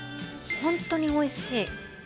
本当においしい。